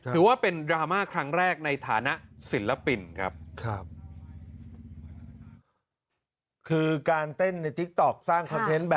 ถือว่าเป็นดราม่าครั้งแรกในฐานะศิลปินครับ